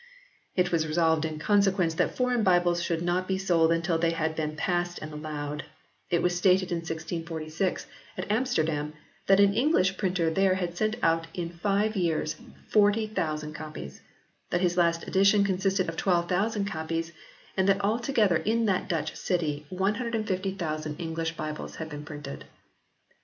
It was resolved in consequence that foreign Bibles should not be sold until they had been " passed and allowed," It was stated in 1646, at Amsterdam, that an English printer there had sent out in five years 40,000 copies; that his last edition consisted of 12,000 copies, and that altogether in that Dutch city 150,000 English Bibles had been printed.